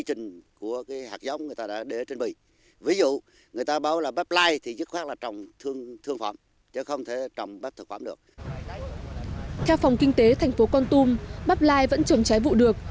theo phòng kinh tế thành phố con tum bắp lai vẫn trồng trái vụ được